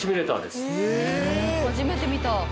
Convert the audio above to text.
初めて見た。